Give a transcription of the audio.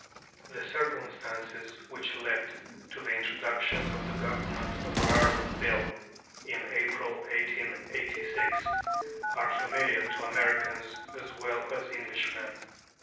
The circumstances which led to the introduction of the Government of Ireland Bill, in April, 1886, are familiar to Americans as well as Englishmen.